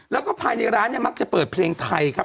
แล้วก็ภายในร้านเนี่ยมักจะเปิดเพลงไทยครับ